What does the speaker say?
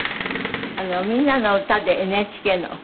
『みんなのうた』でＮＨＫの。